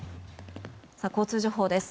交通情報です。